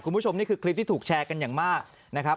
คุณผู้ชมนี่คือคลิปที่ถูกแชร์กันอย่างมากนะครับ